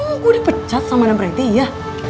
lu udah pecat sama namreti iya